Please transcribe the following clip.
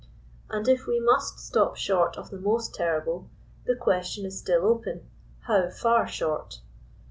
And if we must stop short of the most terrible, the question is still open, how far short?